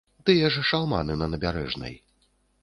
Тыя ж шалманы на набярэжнай.